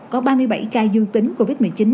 có ba mươi bảy ca dương tính covid một mươi chín